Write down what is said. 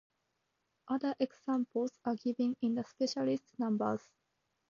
Other examples are given in the Specialist Numbers.